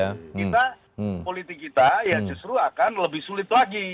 karena kita politik kita ya justru akan lebih sulit lagi